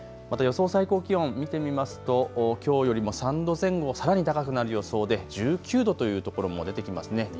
また予想最高気温見てみますときょうよりも３度前後、さらに高くなる予想で１９度というところも出てきますね。